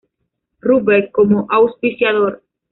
Rubber como auspiciador.